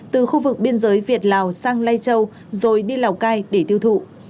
từ khu vực biên giới việt lào sang lai châu rồi đi lào cai để tiêu thụ